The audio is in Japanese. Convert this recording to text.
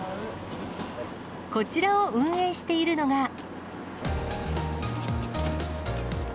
こちらを運営しているのが。